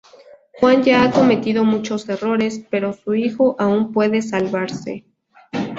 Juan ya ha cometido muchos errores, pero su hijo aún puede salvarse.